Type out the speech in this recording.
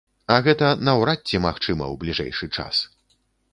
А гэта наўрад ці магчыма ў бліжэйшы час.